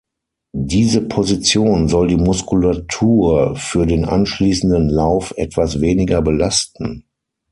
Diese Position soll die Muskulatur für den anschließenden Lauf etwas weniger belasten.